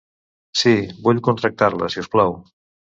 Sí, vull contractar-la, si us plau.